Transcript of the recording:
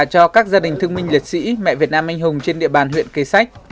cho các gia đình thương minh liệt sĩ mẹ việt nam anh hùng trên địa bàn huyện kế sách